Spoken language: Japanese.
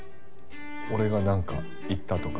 俺がなんか言ったとか。